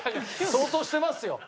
相当してますよ。